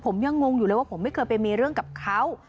ผมยังงงอยู่เลยว่าผมไม่เคยไปมีเรื่องกับเขา